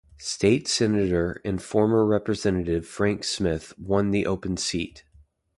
State Senator and former representative Frank Smith won the open seat.